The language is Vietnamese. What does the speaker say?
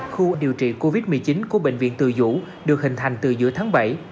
khu điều trị covid một mươi chín của bệnh viện từ dũ được hình thành từ giữa tháng bảy